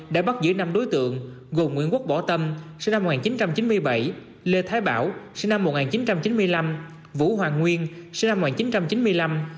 đã bắt giữ năm đối tượng gồm nguyễn quốc bỏ tâm sinh năm một nghìn chín trăm chín mươi bảy lê thái bảo sinh năm một nghìn chín trăm chín mươi năm vũ hoàng nguyên sinh năm một nghìn chín trăm chín mươi năm